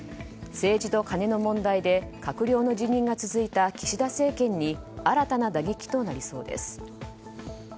政治とカネの問題で閣僚の辞任が続いた岸田政権に新たな打撃となりそうです。